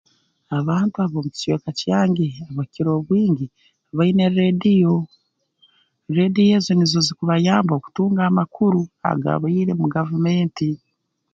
Abantu ab'omu kicweka kyange abakukira obwingi baine rreediyo rreediyo ezi nizo zikubayamba okutunga amakuru agaabaire mu gavumenti